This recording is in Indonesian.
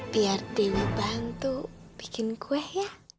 biar dewi bantu bikin kue ya